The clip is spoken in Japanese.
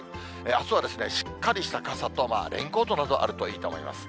あすはしっかりした傘と、レインコートなどあるといいと思います。